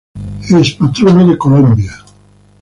Es patrono de Colombia.